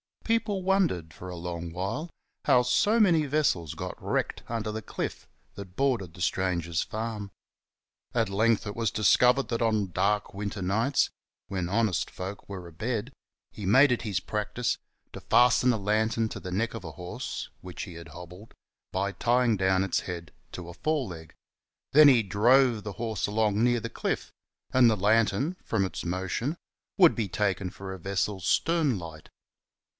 People wondered, for a long while, how so many vessels got wrecked under the cliff that bordered the stranger's farm. At length it was discovered that on dark winter nights — when honest folks were a bed — he made it his practice to fasten a lantern to the neck of a horse, which he had hobbled, by tying down its head to a fore leg ; then he drove the horse along near the cliff, and the lantern, from its motion, would be taken for a vessel's stern light.